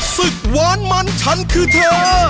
หวานมันฉันคือเธอ